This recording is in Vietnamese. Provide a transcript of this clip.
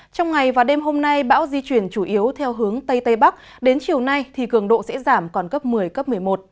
trong ngày và đêm hôm nay bão di chuyển chủ yếu theo hướng tây tây bắc đến chiều nay thì cường độ sẽ giảm còn cấp một mươi cấp một mươi một